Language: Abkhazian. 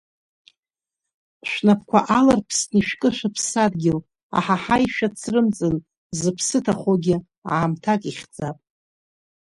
Шәнапқуа аларԥсны ишәкы шәыԥсадгьыл, аҳаҳаи шәацрымҵын, зыԥсы ҭахогьы аамҭак ихьӡап!